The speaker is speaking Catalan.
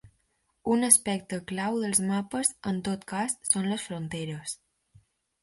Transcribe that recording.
Un aspecte clau dels mapes, en tot cas, són les fronteres.